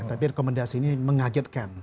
tapi rekomendasi ini mengagetkan